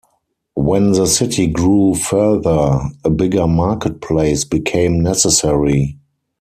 When the city grew further, a bigger market place became necessary.